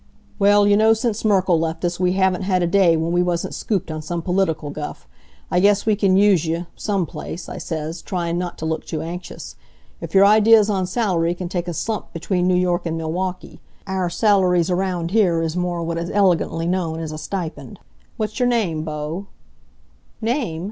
"Well, you know since Merkle left us we haven't had a day when we wasn't scooped on some political guff. 'I guess we can use you some place,' I says, tryin' not t' look too anxious. If your ideas on salary can take a slump be tween New York and Milwaukee. Our salaries around here is more what is elegantly known as a stipend. What's your name, Bo?' "'Name?'